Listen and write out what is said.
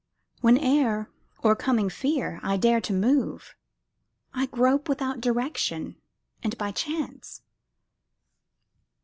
Whene'er, o'ercoming fear, I dare to move, I grope without direction and by chance.